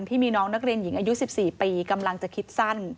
ที่มีน้องนักเรียนหญิงอายุ๑๔ปีกำลังจะคิดสั้น